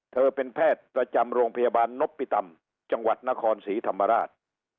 เป็นแพทย์ประจำโรงพยาบาลนพปิตัมจังหวัดนครศรีธรรมราช